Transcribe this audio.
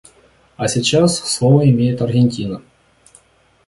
А сейчас слово имеет Аргентина.